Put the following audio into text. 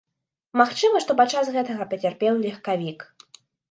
Магчыма, што падчас гэтага пацярпеў легкавік.